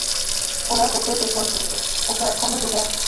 ওরা তোকেও পে করতেছে - ও তো এখনো জেগে আছে।